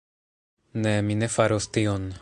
Ne, mi ne faros tion.